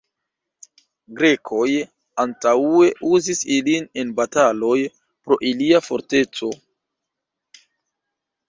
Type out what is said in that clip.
Grekoj antaŭe uzis ilin en bataloj pro ilia forteco.